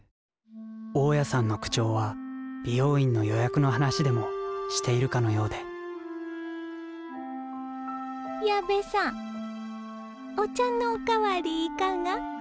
大家さんの口調は美容院の予約の話でもしているかのようで矢部さん。お茶のお代わりいかが？